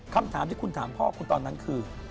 คำถามที่คุณถามพ่อคุณตอนนั้นคือ